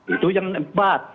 itu yang keempat